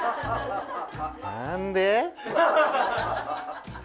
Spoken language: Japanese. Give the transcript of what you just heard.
何で？